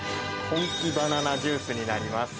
本気バナナジュースになります。